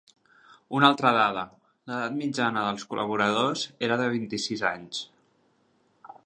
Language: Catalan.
Una altra dada: l’edat mitjana dels col·laboradors era de vint-i-sis anys.